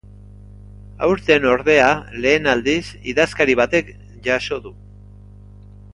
Aurten, ordea, lehen aldiz, idazkari batek jaso du.